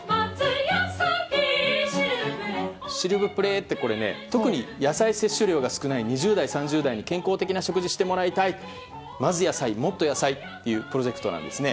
シルブプレーっていうのは、特に野菜摂取量が少ない２０代、３０代に健康的な食事をしてもらいたい「まず野菜、もっと野菜」というプロジェクトなんです。